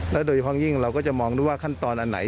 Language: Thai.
โดยเฉพาะยิ่งเราก็จะมองด้วยว่าขั้นตอนอันไหน